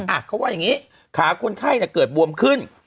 อ่ะเขาว่าอย่างนี้ขาคนไข้เนี่ยเกิดบวมขึ้น